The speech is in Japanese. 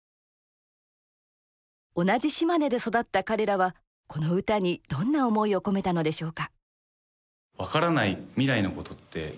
同じ島根で育った彼らはこの歌にどんな思いを込めたのでしょうか。